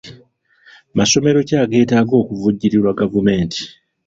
Masomero ki ageetaaga okuvujjirirwa gavumenti?